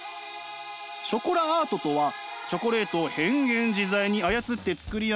ショコラアートとはチョコレートを変幻自在に操って作り上げる